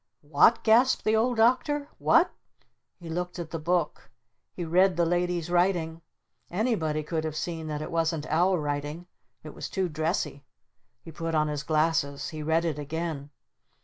"What?" gasped the Old Doctor. "What?" He looked at the book. He read the Lady's writing. Anybody could have seen that it wasn't our writing. It was too dressy. He put on his glasses. He read it again.